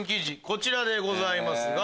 こちらでございます。